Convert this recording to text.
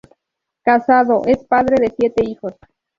Casado, es padre de siete hijos.